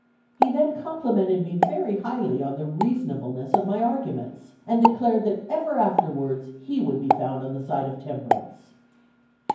He then complimented me very highly on the reasonableness of my arguments, and declared that ever afterwards he would be found on the side of temperance.